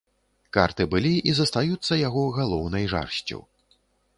Карты былі і застаюцца яго галоўнай жарсцю.